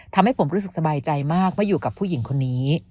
ทำให้ผมรู้สึกสบายใจมากว่าอยู่กับผู้หญิงคนนี้